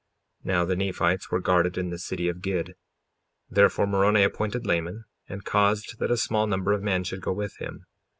55:7 Now the Nephites were guarded in the city of Gid; therefore Moroni appointed Laman and caused that a small number of men should go with him.